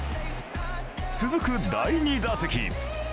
続く第２打席。